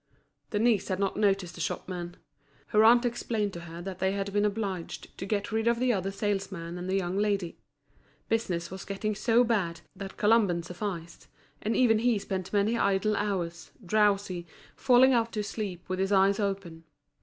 Denise had not noticed the shopman. Her aunt explained to her that they had been obliged to get rid of the other salesman and the young lady. Business was getting so bad that Colomban sufficed; and even he spent many idle hours, drowsy, falling off to sleep with his eyes open.